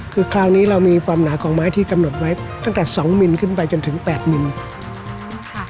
คือคราวนี้เรามีความหนาของไม้ที่กำหนดไว้ตั้งแต่๒มิลขึ้นไปจนถึง๘มิลค่ะ